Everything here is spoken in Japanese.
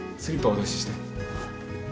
お出しして。